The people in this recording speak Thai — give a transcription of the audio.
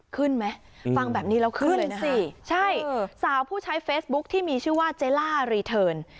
ขึ้นไหมฟังแบบนี้แล้วขึ้นสิใช่สาวผู้ใช้เฟซบุ๊คที่มีชื่อว่าเจล่ารีเทิร์น